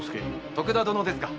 徳田殿ですか。